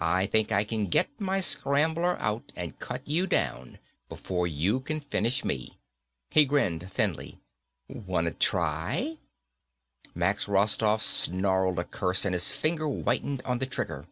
I think I can get my scrambler out and cut you down before you can finish me." He grinned thinly, "Wanta try?" Max Rostoff snarled a curse and his finger whitened on the trigger.